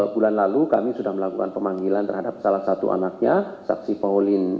bulan lalu kami sudah melakukan pemanggilan terhadap salah satu anaknya saksi pauline